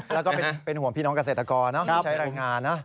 แล้วก็เป็นห่วงพี่น้องเกษตรกรที่ใช้รายงานนะ